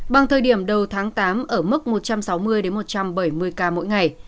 bằng thời điểm đầu tháng tám ở mức một trăm sáu mươi một trăm bảy mươi ca mỗi ngày